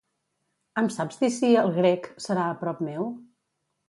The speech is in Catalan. Em saps dir si "El Grec" serà a prop meu?